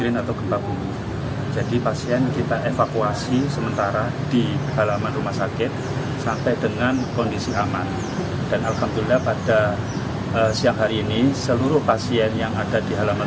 rumah sakit telah melaksanakan